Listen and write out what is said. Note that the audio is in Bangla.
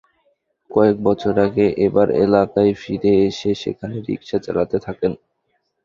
কয়েক বছর আগে আবার এলাকায় ফিরে এসে সেখানে রিকশা চালাতে থাকেন।